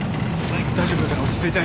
大丈夫だから落ち着いて。